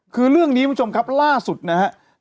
คือเรื่องนี้คุณผู้ชมครับล่าสุดนะครับ